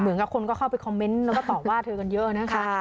เหมือนกับคนก็เข้าไปคอมเมนต์แล้วก็ตอบว่าเธอกันเยอะนะคะ